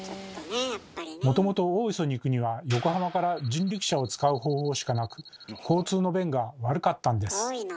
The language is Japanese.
もともと大磯に行くには横浜から人力車を使う方法しかなく交通の便が悪かったんです。